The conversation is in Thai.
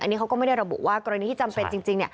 อันนี้เขาก็ไม่ได้ระบุว่ากรณีถึงจริง